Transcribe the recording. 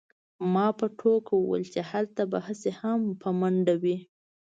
ما په ټوکه وویل چې هلته به هسې هم په منډه وې